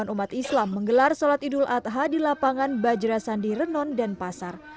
umat islam menggelar sholat idul adha di lapangan bajra sandi renon dan pasar